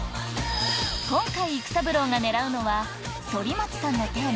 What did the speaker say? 今回育三郎が狙うのは反町さんのテーマ